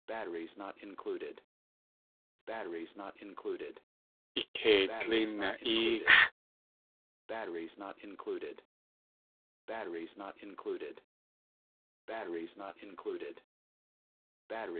I keidlí na.éexʼ!